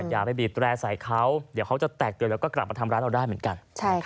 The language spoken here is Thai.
อย่าไปบีบแร่ใส่เขาเดี๋ยวเขาจะแตกตื่นแล้วก็กลับมาทำร้ายเราได้เหมือนกัน